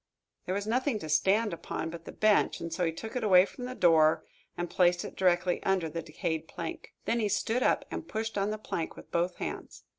There was nothing to stand upon but the bench, and so he took it away from the door and placed it directly under the decayed plank. Then he stood up and pushed on the plank with both hands.